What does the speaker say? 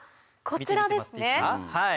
こちらですね。